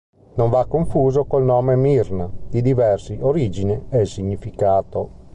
Non va confuso col nome Mirna, di diversi origine e significato.